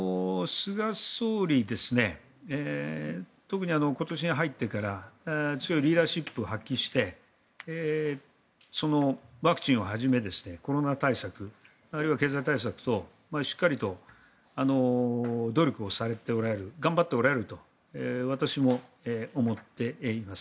菅総理特に今年に入ってから強いリーダーシップを発揮してワクチンをはじめコロナ対策、あるいは経済対策としっかりと努力されておられる頑張っておられると私も思っています。